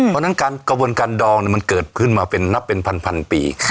เพราะฉะนั้นการกระบวนการดองมันเกิดขึ้นมาเป็นนับเป็นพันปี